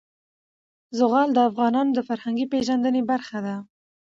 زغال د افغانانو د فرهنګي پیژندنې برخه ده.